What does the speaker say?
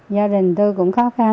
gia đình tôi cũng khó khăn